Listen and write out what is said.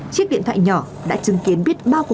chiếc điện thoại nhỏ đã chứng kiến biết con gái tôi đã mất rồi